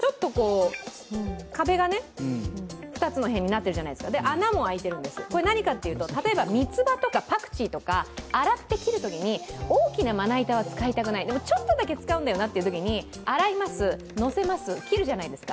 なので小さいまな板で使うというのと、まな板なんですけど、横から見ると壁が２つの辺になってるじゃないですか穴も開いてるんです、何かというと例えばみつばとかパクチーとか洗って切るときに大きなまな板は使いたくない、ちょっとだけ使うんだよなというときに、洗います、乗せます、切るじゃないですか。